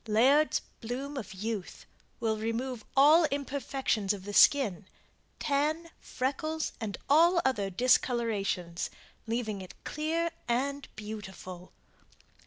LAIRD'S "BLOOM OF YOUTH" will remove all imperfections of the skin tan, freckles and all other discolorations leaving it clear and beautiful.